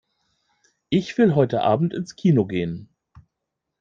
Ich will heute Abend ins Kino gehen.